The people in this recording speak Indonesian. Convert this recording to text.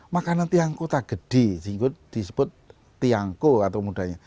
makanan tiang kota gede disebut tiangko atau mudanya